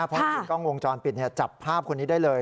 พอดูกล้องวงจรปิดเนี่ยจับภาพคนนี้ได้เลย